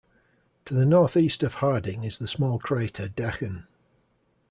To the northeast of Harding is the smaller crater Dechen.